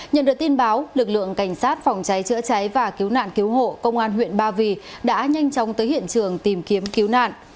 nhận được tin báo lực lượng cảnh sát phòng cháy chữa cháy và cứu nạn cứu hộ công an huyện ba vì đã nhanh chóng tới hiện trường tìm kiếm cứu nạn